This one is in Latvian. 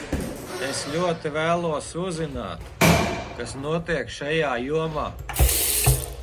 Es ļoti vēlos uzzināt, kas notiek šajā jomā.